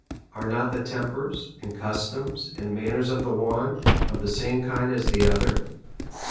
Are not the tempers, and customs, and manners of the one of the same kind as of the other?